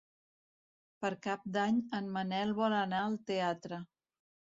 Per Cap d'Any en Manel vol anar al teatre.